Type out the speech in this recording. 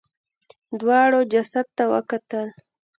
دواړو جسد ته وکتل.